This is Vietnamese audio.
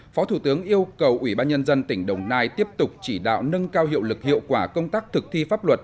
phó thủ tướng yêu cầu ủy ban nhân dân tỉnh đồng nai tiếp tục chỉ đạo nâng cao hiệu lực hiệu quả công tác thực thi pháp luật